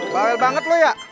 bawel banget lu ya